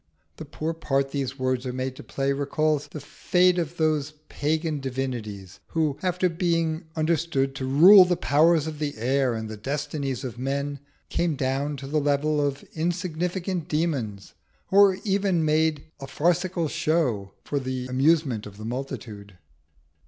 The poor part these words are made to play recalls the fate of those pagan divinities who, after being understood to rule the powers of the air and the destinies of men, came down to the level of insignificant demons, or were even made a farcical show for the amusement of the multitude.